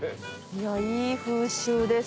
いい風習です